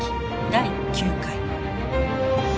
第９回。